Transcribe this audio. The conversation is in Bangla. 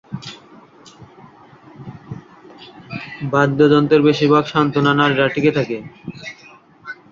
বাদ্যযন্ত্রের বেশিরভাগ সান্ত্বনা নারীরা টিকে থাকে।